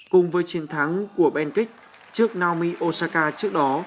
cùng với chiến thắng của ben kic trước naomi osaka trước đó